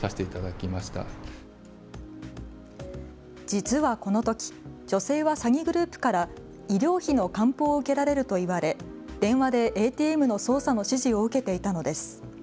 実はこのとき女性は詐欺グループから医療費の還付を受けられると言われ電話でＡＴＭの操作の指示を受けていたのです。